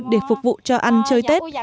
để phục vụ cho ăn chơi tết